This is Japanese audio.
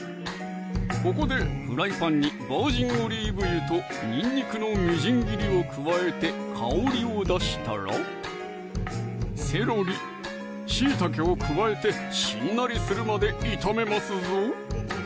ここでフライパンにバージンオリーブ油とにんにくのみじん切りを加えて香りを出したらセロリ・しいたけを加えてしんなりするまで炒めますぞ